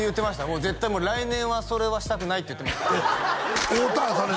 もう絶対来年はそれはしたくないって言ってました会うたん？